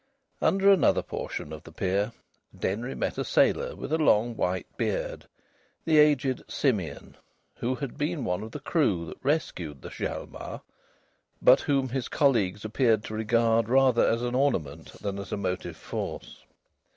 Under another portion of the pier Denry met a sailor with a long white beard, the aged Simeon, who had been one of the crew that rescued the Hjalmar, but whom his colleagues appeared to regard rather as an ornament than as a motive force.